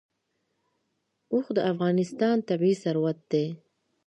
اوښ د افغانستان طبعي ثروت دی.